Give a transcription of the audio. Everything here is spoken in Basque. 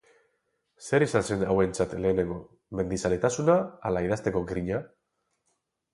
Zer izan zen hauentzat lehenengo, mendizaletasuna ala idazteko grina?